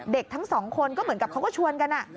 ทั้งสองคนก็เหมือนกับเขาก็ชวนกัน